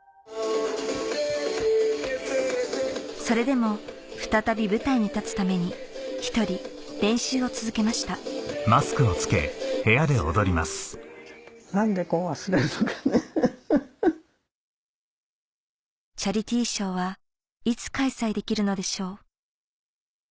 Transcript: それでも再び舞台に立つために一人練習を続けましたチャリティーショーはいつ開催できるのでしょう